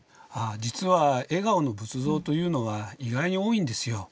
実は笑顔の仏像というのは意外に多いんですよ。